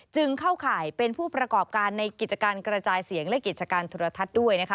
จึงเข้าข่ายเป็นผู้ประกอบการในกิจการกระจายเสียงและกิจการโทรทัศน์ด้วยนะคะ